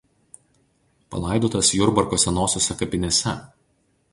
Palaidotas Jurbarko senosiose kapinėse.